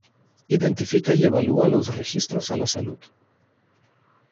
Identifica y evalúa los riesgos a la salud.